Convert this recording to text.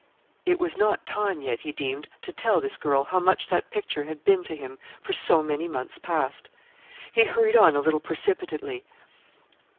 It was not time, yet, he deemed, to tell this girl how much that picture had been to him for so many months past. He hurried on a little precipitately.